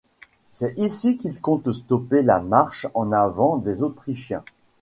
C'est ici qu'il compte stopper la marche en avant des Autrichiens.